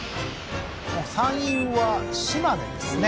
山陰は島根ですね